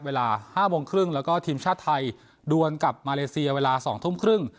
เวลา๕โมงครึ่งแล้วก็ทีมชาติไทยดวนกับมาเลเซียเวลา๒ทุ่มครึ่ง